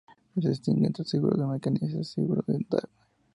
Se distingue entre "seguro de mercancías y seguro de nave.